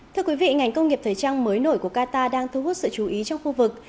thưa quý vị ngành công nghiệp thời trang mới nổi của qatar đang thu hút sự chú ý trong khu vực